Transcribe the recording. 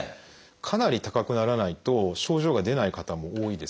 かなり高くならないと症状が出ない方も多いです。